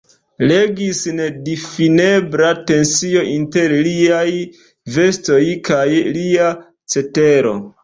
Regis nedifinebla tensio inter liaj vestoj kaj lia cetero.